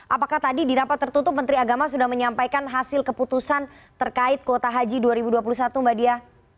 apakah tadi di rapat tertutup menteri agama sudah menyampaikan hasil keputusan terkait kuota haji dua ribu dua puluh satu mbak dia